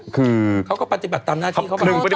เขาก็ปฏิบัติตามหน้าที่